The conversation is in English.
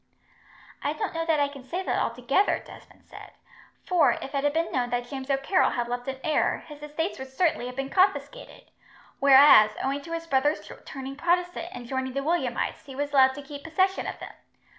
"I don't know that I can say that, altogether," Desmond said; "for, if it had been known that James O'Carroll had left an heir, his estates would certainly have been confiscated; whereas, owing to his brother's turning Protestant, and joining the Williamites, he was allowed to keep possession of them.